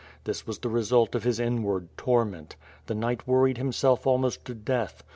This was the result of his inward tor ment. The knight worried himself almost to death.